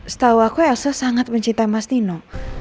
setahu aku elsa sangat mencinta mas dino